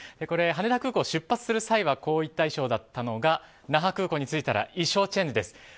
これ羽田空港を出発する際はこういう衣装だったのが那覇空港についたら衣装チェンジです。